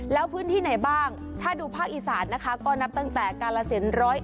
แล้วพื้นที่ไหนบ้างถ้าดูภาคอีสานนะคะก็นับตั้งแต่กาลสิน๑๐๑